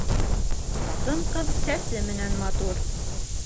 Ҡатын-ҡыҙ сәсе менән матур.